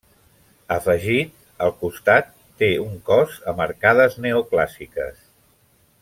Afegit, al costat, té un cos amb arcades neoclàssiques.